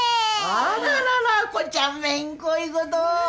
あららら亜子ちゃんめんこいごと。